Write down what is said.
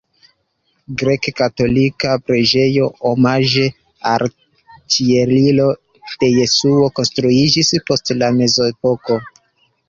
Grek-katolika preĝejo omaĝe al Ĉieliro de Jesuo konstruiĝis post la mezepoko.